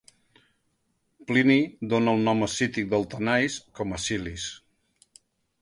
Plini dóna el nom escític del Tanais com a "Silys".